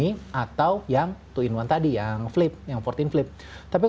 kalau misalnya kamu graphic artist atau misalnya arsitek yang harus nge review laptop